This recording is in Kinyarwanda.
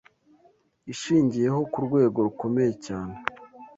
ishingiyeho ku rwego rukomeye cyane